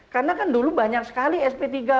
karena kan dulu banyak sekali sp tiga